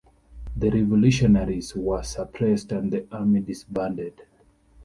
The revolutionaries were suppressed and the army disbanded.